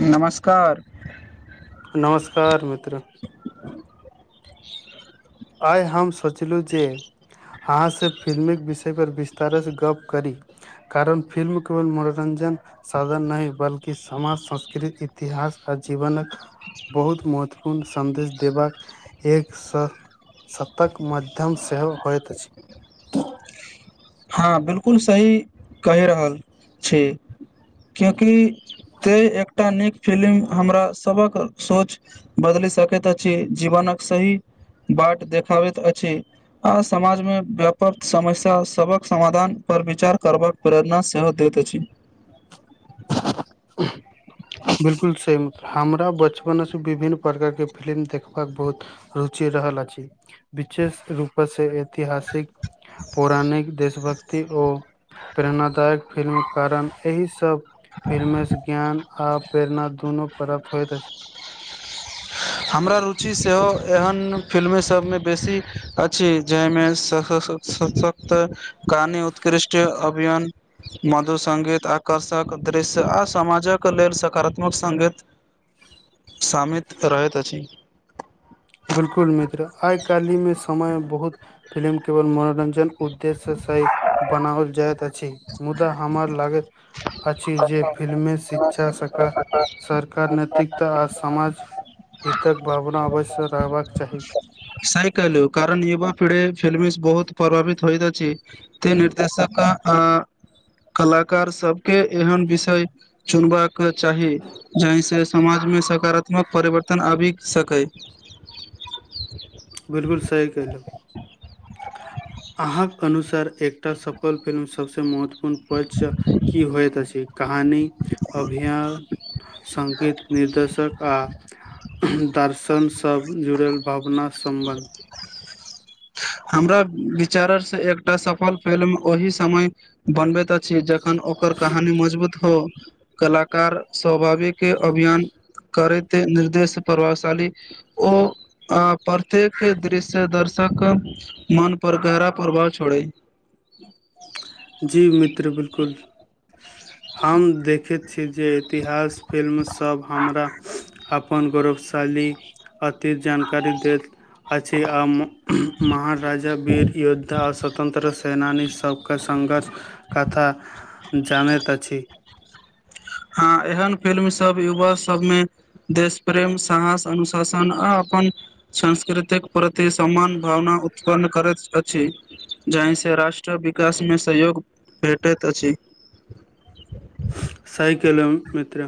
नमस्कार। नमस्कार मित्र। [inaudible] आइ हम सोचलहुँ जे। अहाँ से फिल्मीक विषय पर विस्तारसँ गप करी कारण फिल्म केवल मनोरञ्जन साधन नहि बल्कि समाज, संस्कृति, इतिहास आ जीवनक बहुत महत्वपूर्ण सन्देश देबाक एक स सतक माध्यम सेहो होइत अछि। हाँ बिलकुल सही कहि रहल छी कियोंकी तै एकटा नीक फिलिम हमरा सभक सोच बदलि सकैत अछि जीवनक सही बाट देखाबैत अछि आ समाजमे व्यापत समस्या सभक समाधानपर विचार करबाक प्रेरणा सेहो दैत अछि। उंह बिलकुल सेम हमरा बचपन से विभिन्न प्रकार के फिलिम देखबाक बहुत रुचि रहल अछि, विशेष रूप से एत तिहासिक, पौराणिक, देशभक्त ति ओ प्रेरणादायक फिल्म कारण एहि ई सब फिलमे से ज्ञान आ प्रेरणा दुनू प्राप्त होयइत अछि। हमरा रुचि सेहो एहन फिल्मे सभमे बेसी अछि जाहिमे स ह ह स ह तऽ कहानी, उत्कृष्ट अभियन, मधुसङ्गीत आ कर्षक दृश्य आ समाजके लेल सकारात्मक सङ्गीत शामित रहैत अछि। बिलकुल मित्र आई काल्हि मे समय बहुत फिल्म केवल मनोरंजन उद्देश्यसै बनाओल जाइत अछि मुदा हमर लागैत अछि जे फिल्ममे शिक्षा, सका सरकार नैतिकता आ समाज हितक भावना अवश्य रहबाक चाही। सही कहलु कारण युवा पीढ़ी फिलमी से बहुत प्रभावित होइत अछि। तै निर्देशक आ कलाकार सबके एहन विषय चुनबाक चाही जहि सें समाजमे सकारात्मक परिवर्तन आबि सकै। बिलकुल सही कहिलौं अहाँक अनुसार एकटा सफल फिल्म सभसँ महत्व पूर्ण पक्ष की होइत अछि कहानी, अभिया संगीत निर्देशक आ दर्शनसँ जुड़ल भावना सम्बन्ध हमरा विचारसँ एकटा सफल फिल्म ओहि समय बनबैत अछि ज खन ओकर कहानी मजबूत हो, कलाकार स्वभाविके अभियान करैत, निर्देश प्रभावशाली ओ प्रत्येक दृश्य दर्श सक मन पर गहरा प्रभाव छोड़ै जी मित्र बिलकुल हम देखैत छी जे इतिहास फिल्मसब हमरा अपन गौरवशाली अतित जानकारी देत अछि आ म महाराजा, वीर योद्धा आ स्वतन्त्र सेनानीसभके के संघर्ष कथा जानैत अछि हाँ एहन फिल्म सब युवा सबमे देश प्रेम, साहस, अनुशासन आ अपन संस्कृतिक प्रति सम्मान भावना उत्पन्न करैत अछि। जाहिसँ राष्ट्र विकासमे सहयोग भेटैत अछि। सही कहलौं मित्र,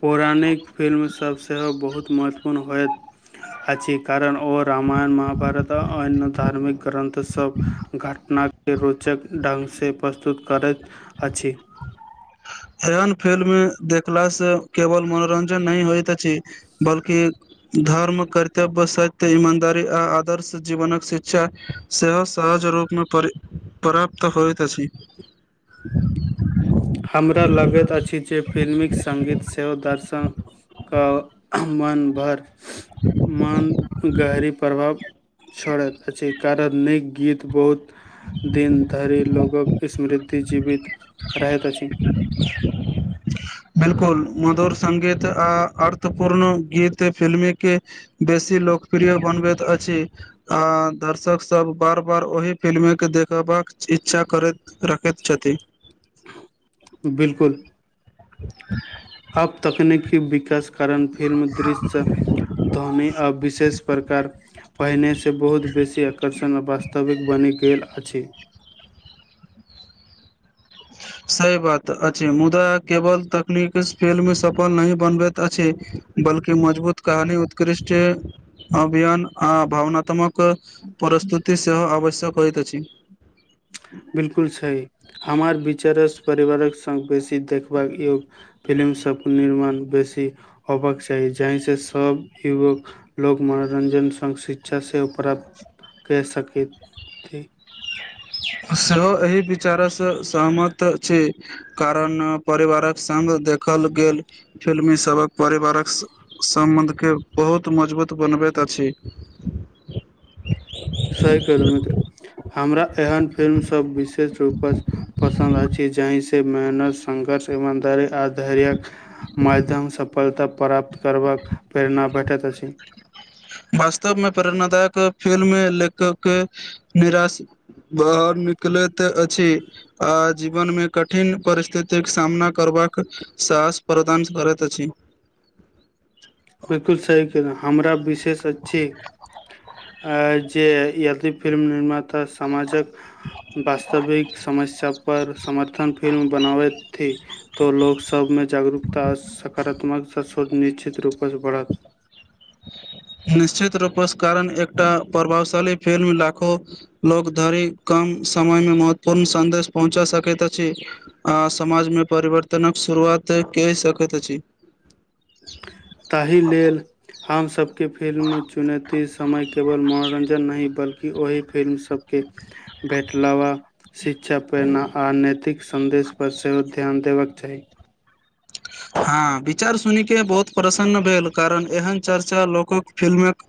पौराणिक फिल्म सभ सेहो बहुत महत्वपूर्ण होयत। अछि कारण ओ रामायण महाभारत आ अन्य धार्मिक ग्रन्थ सभ घटनाके रोचक ढंगसँ प्रस्तुत करैत अछि। एयन फिल्म देखलासँ केवल मनोरंजन नहि होइत छै बल्कि धर्म, कर्तव्य, सत्य, ईमानदारी आ आदर्श जीवनक शिक्षा सेहो सहज रूपमे पर प्राप्त होइत अछि। हमरा लगैत अछि जे फिल्मीक सङ्गीत सेहो दर्शनके मन भर मन पर गहरी प्रभाव छोड़ैत अछि कारण नीक गीत बहुत दिन धरि लोकक स्मृति जीवित रहैत अछि। बिलकुल, मधुर संगीत आ अर्थपूर्ण गीत फिल्मी के बेसी लोकप्रिय बनबैत अछि। आ दर्शक सब बार बार ओहि फिल्म के देखबाक इच्छा करैत रखैत छथि। बिल्कुल। [inaudible] आब तकनीकी विकास कारण फिल्म दृश्यसब ध्वनि आ विशेष प्रकार पहिनेसँ बहुत बेसी आकर्षण आ वास्तविक बनि गेल अछि। सही बात अछि, मुदा केवल तकनीक फिल्म के सफल नहि बनबैत अछि। बल्कि मजबूत कहानी उत्कृष्ट अभियान आ भावनात्मक प्रस्तुति सेहो आवश्यक होइत अछि। बिलकुल सही, हमार विचार सं परिवारक संग बेसी देखबाक योग्य फिलिम सबके निर्माण बेसी होबाक चाही जाहिसँ सब युवक लोक मनोरंजन संग शिक्षा सेहो प्राप्त कय सकैत छथि। सेहो एहि विचारसँ सहमत छी। कारण परिवारक संग देखल गेल फिल्मी सब। परिवारक सम्बन्धके बहुत मजबूत बनबैत अछि। सही कहलहुं मित्र, हमरा एहन फिल्मसभ विशेष रूपसँ पसन्द अछि जाहिसँ मेहनत संघर्ष एव धैर्य आ धैर्यक माध्यम सफलता प्राप्त करबाक प्रेरणा भेटैत अछि। वास्तव मे प्रेरणादायक फिल्म लेखक के निराश बाहर निकलैत अछि। आ जीवनमे कठिन परिस्थितिक सामना करबाक साहस प्रदान करैत अछि। बिलकुल सही कहलहुं, हमरा विशेष अछि। आ जे यादि फिल्म निर्माता समाजक वास्तविक समस्या पर समर्थन फिल्म बनाबैत थि त लोक सभमे जागरूकता आ सकारात्मक सोच निश्चित रूपसँ बढ़त। निश्चित रूपसँ कारण एकटा प्रभावशाली फिल्म लाखो लोक धरि कम समयमे महत्वपूर्ण सन्देश पहुँचा सकैत अछि। आ समाजमे परिवर्तनक शुरुआत कै सकैत अछि। ताहि लेल हमसब के फिल्म चुनैति समय केवल मनोरंजन नहि बल्कि ओहि फिल्म सभके भेटलवा। शिक्षा, प्रेरणा आ नैतिक सन्देशपर सेहो ध्यान देबाक चाही। हाॅं, विचार सुनि के बहुत प्रसन्न भेल कारण एहन चर्चा लोकोक फिल्मेक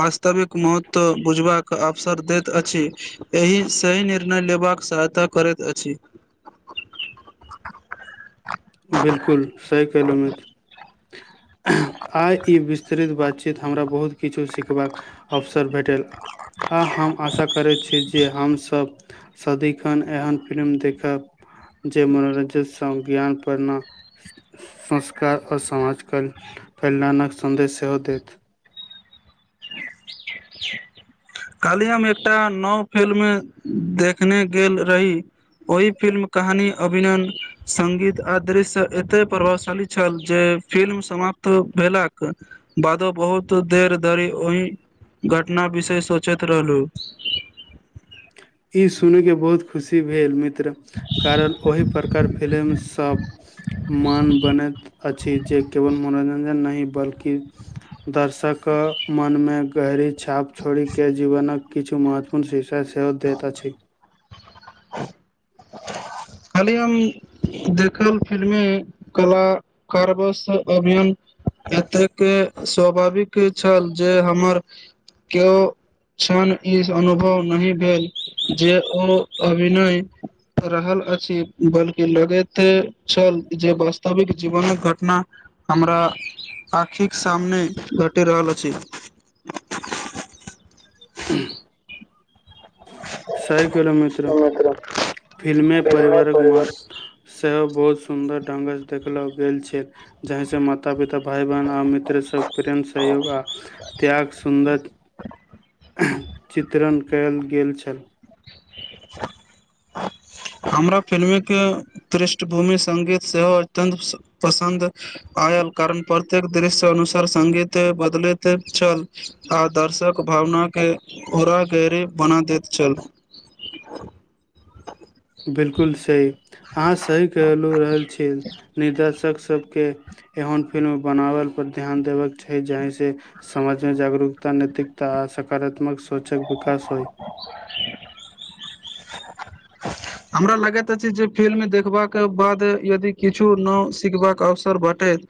वास्तविक महत्व बुझबाक अवसर दैत अछि। एहि सही निर्णय लेबाक सहायता करैत अछि। [inaudible] बिलकुल सही कहिलों मित्र। एंह आय ई विस्तृत बातचीत हमरा बहुत किछु सिखबाक अवसर भेटल आ हम आशा करैत छी जे हम सब सदिखन एहन फिल्म देखब जे मनोरंजन संग ज्ञान रना स संस्कार और समाज कल् कल्याणक सन्देश सेहो देत। [unintelligible] कल्हि हम एकटा नव फिल्म देखने गेल रही ओहि फिल्म कहानी, अभिनन, संगीत आ दृश्य एते प्रभावशाली छल जे फिल्म समाप्त भेलाक बादो बहुत देर धरि ओहि घटना विषय सोचैत रहलु। इ सुनि के बहुत खुशी भेल मित त्र कारण ओहि प्रकार फिल्म सब मान बनैत अछि जे केवल मनोरंजन नही बल्कि दर्शकऽ मन मे गहरी छाप छोड़ि के जीवनक किछ महत्वपूर्ण शिक्षा सेहो देत अछी। [inaudible] कल्ही हम देखल फिल्मी कलाकार बस अभियन एतेक स्वाभाविक छल जे हमर केओ छण ई अनुभव नही भेल जे ओ अभिनय रहल अ छी बल्कि लगैत छल जे वास्तविक जीवनक घटना हमरा आँखिक सामने घटि रहल अछि। उंह सही कहलौ मित्र फिल्म मे परिवारक महत्व सेहो बहुत सुंदर ढंग स देखलो गेल छै जाहि सें माता, पिता, भाय, बहिन आ मित्र सभ प्रेम, सहयोग आ त्याग सुन्दर चित्रण कयल गेल छल। [inaudible] हमरा फिल्मे के पृष्ठभूमि संगीत सेहो अत्यन्त पसंन्द आयल कारण प्रत्येक दृश्य अनुसार संगीत बदलैत छल। आ दर्शक भावना के ओरा करीब बना दैत छल। बिल्कुल सही आहाँ सही कहलु रहल छीयै निर्देशक सब के एहन फिल्म बनाबल पर ध्यान देबक छै जाहिं से समाज में जागरूकता, नैतिकता आ सकारात्मक सोचक विकास होई [unintelligible] हमरा लगैत अछि जे फिल्म देखबाक बाद यदि किछु नव सिखबाक अवसर भेटैत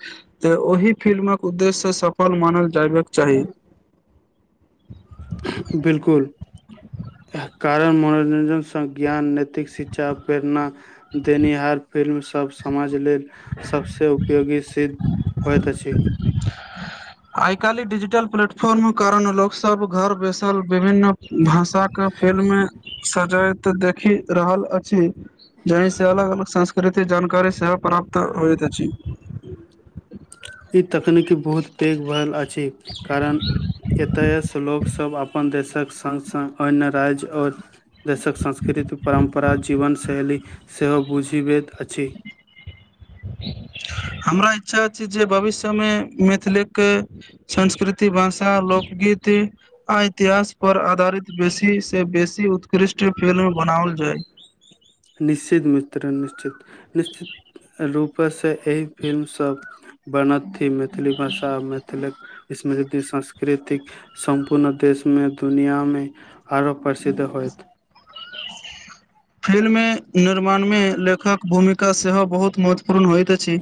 त ओहि फिल्मक उद्देश्य सफल मानल जयबाक चाही। बिल्कुल। यैह कारण मनोरंजन सं ज्ञान, नैतिक शिक्षा, प्रेरणा देनिहार फिल्म सब सं समाज लेल सब सं उपयोगी सिद्ध होइत अछि। आइ काल्हि डिजिटल प्लेटफॉर्म कारण लोक सब घर बैसल विभिन्न भाषा के फिल्म सजीव देखि रहल अछि। जाहि सं अलग -अलग संस्कृतिक जानकारी सेहो प्राप्त होइत अछि। इ तकनीकी बहुत पैघ भेल अछि कारण एतय स लोक सब अपन देशक संग - संग अन्य राज्य और देशक संस्कृति, परम्परा, जीवन शैली सेहो बुझि पबैत अछि। हमरा इच्छा अछि जे भविष्य मे मैथिली के संस्कृति, भाषा, लोक गीत आ इतिहास पर आधारित बेसी से बेसी उत्कृष्ट फिल्म बनाओल जाय। निश्चित मित्र निश्चित, निश्चित रूपसँ एहि फिल्म सब बनावथि, मैथिली भाषा, मैथिल स्मृति, सांस्कृतिक सम्पूर्ण देशमे, दुनिया मे आरो प्रसिद्ध होयत। फिल्म निर्माण मे लेखक भूमिका सेहो बहुत महत्व पूर्ण होइत अछि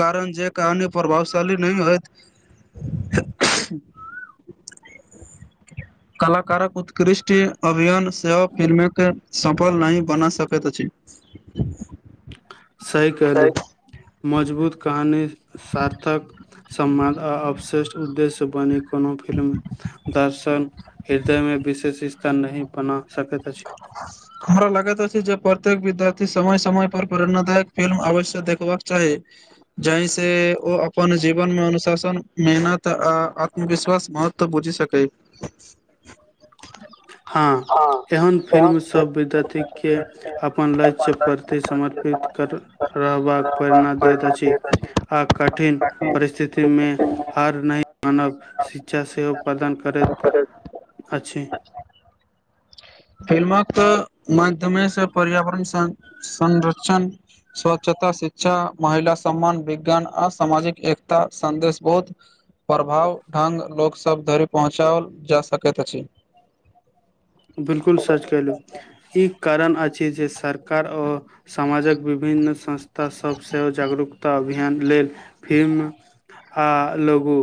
कारण जे कहानी प्रभावशाली नहि होयत। कलाकारक उत्कृष्ट। अभियान सेहो फिल्मके सफल नहि बना सकैत अछि। सही कहलहुं। मजबूत कहानी, सार्थक सम्वाद आ अवशेष्ट उद्देश्य बनी कोनो फिल्म दर्शन, हृदय मे विशेष स्थान नहि बना सकैत अछि। हमरा लगैत अछि जे प्रत्येक विद्यार्थी के समय समय पर प्रेरणादायक फिल्म अवश्य देखबाक चाही। जाहि से ओ अपन जीवन मे अनुशासन मेहनत आ आत्मविश्वास महत्व बुझि सकै। हँ, एहन फिल्म सब विद्यार्थी के अपन लक्ष्यक प्रति समर्पित कर रहबाक प्रेरणा दैत अछि। आ कठिन परिस्थिति मे हार नहि मानब शिक्षा सेहो प्रदान करैत अछि। फिल्मक माध्यमेसँ पर्यावरण संरक्षण स्वच्छता, शिक्षा, महिला सम्मान, विज्ञान आ सामाजिक एकता सन्देश बहुत प्रभाव ढंग लोकसभ धरि पहुँचाओल जा सकैत अछि। बिलकुल सच कहलहुँ, ई कारण अछि जे सरकार ओ समाजक विभिन्न संस्था सभ सेहो जागरूकता अभियान लेल फिल्म आ लगु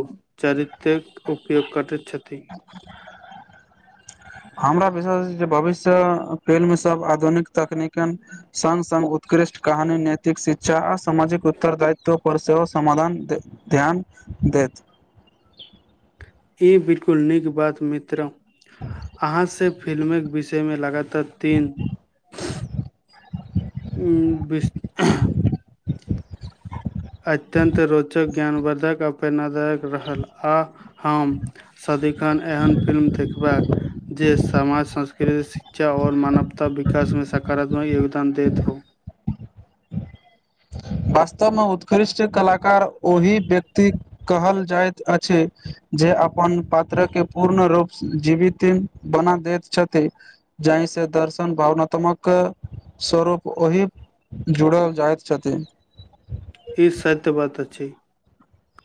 चरित्रक उपयोग करैत छथि। [inaudible] हमरा विश्वास अछि जे भविष्य फिल्म सब आधुनिक तकनीक संग संग उत्कृष्ट कहानी, नैतिक शिक्षा आ सामाजिक उत्तरदायित्व पर सेहो समाधान ध्यान देत। ई बिल्कुल नीक बात मित्र अहाँ से फिल्मक विष य मे लगातार तीन बिस अत्यन्त रोचक, ज्ञानवर्द्धक आ प्रेरणादायक रहल आ हम सदिखन एहन फिल्म देखबाक जे स समाज, संस्कृति, शिक्षा आओर मानवता विकासमे सकारात्मक योगदान देत हो वास्तवमे उत्कृष्ट कलाकार ओहि व्यक्ति कहल जाइत अछि जे अपन पात्रके पूर्ण रूपसँ जीविति बना दैत छथि। जाहि से दर्शन भावनात्मक स्वरूप ओहि जुड़ल जाइत छथि। ई सत्य बात अछि।